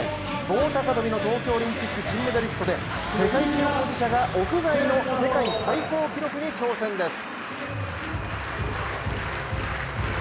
棒高跳びの東京オリンピック銀メダリストで世界記録保持者が屋外の世界最高記録に挑戦です。